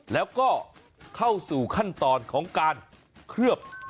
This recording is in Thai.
แล้วก็เข้าสู่ขั้นตอนของการเคลือบ